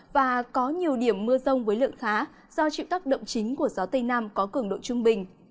và có nhiều điểm mưa rông với lượng khá do chịu tác động chính của gió tây nam có cường độ trung bình